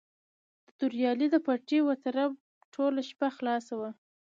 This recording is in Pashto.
د توریالي د پټي وتره ټوله شپه خلاصه وه.